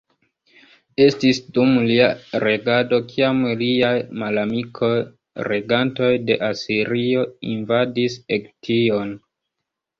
Estis dum lia regado kiam liaj malamikoj, regantoj de Asirio, invadis Egiption.